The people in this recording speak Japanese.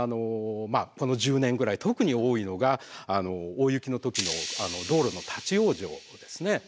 この１０年ぐらい特に多いのが大雪の時の道路の立往生ですね。